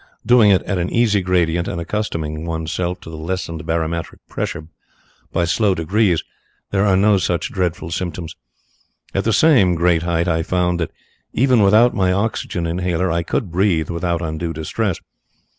Doing it at an easy gradient and accustoming oneself to the lessened barometric pressure by slow degrees, there are no such dreadful symptoms. At the same great height I found that even without my oxygen inhaler I could breathe without undue distress.